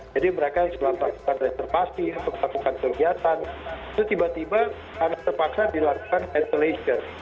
jadi mereka yang selalu melakukan reservasi lakukan kegiatan itu tiba tiba terpaksa dilakukan ventilation